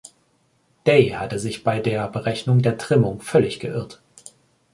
Day hatte sich bei der Berechnung der Trimmung völlig geirrt.